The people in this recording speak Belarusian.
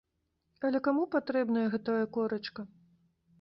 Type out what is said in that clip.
Але каму патрэбная гэтая корачка!